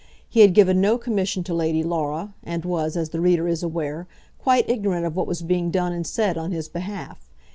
He had given no commission to Lady Laura, and was, as the reader is aware, quite ignorant of what was being done and said on his behalf.